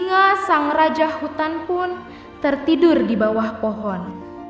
singa sang rajah hutan pun tertidur dibawah pohon